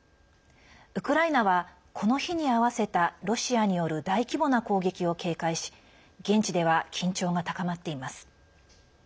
ウクライナは、この日に合わせたロシアによる大規模な攻撃を警戒し現地では緊張が高まっています。